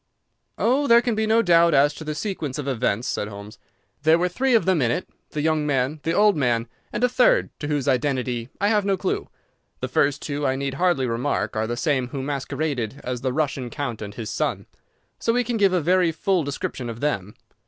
"Oh, there can be no doubt as to the sequence of events," said Holmes. "There were three of them in it: the young man, the old man, and a third, to whose identity I have no clue. The first two, I need hardly remark, are the same who masqueraded as the Russian count and his son, so we can give a very full description of them.